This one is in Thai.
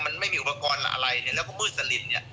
มันไม่มีอุปกรณ์อะไรแล้วมือสลิน